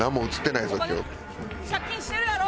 借金してるやろ！